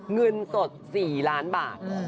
เงินสด๔ล้านบาท